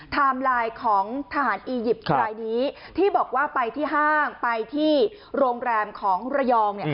ไลน์ของทหารอียิปต์รายนี้ที่บอกว่าไปที่ห้างไปที่โรงแรมของระยอง